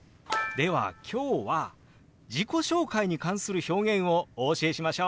では今日は自己紹介に関する表現をお教えしましょう！